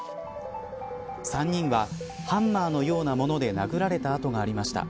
３人はハンマーのようなもので殴られた痕がありました。